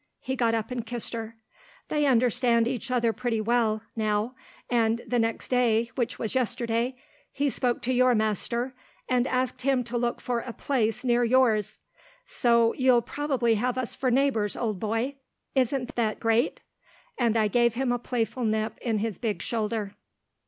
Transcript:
He got up and kissed her. They understand each other pretty well now, and the next day, which was yesterday, he spoke to your master, and asked him to look for a place near yours. So you'll probably have us for neighbours, old boy. Isn't that great?" and I gave him a playful nip in his big shoulder.